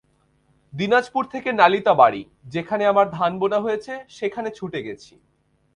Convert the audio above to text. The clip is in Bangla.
দিনাজপুর থেকে নালিতাবাড়ী, যেখানে আমার ধান বোনা হয়েছে, সেখানে ছুটে গেছি।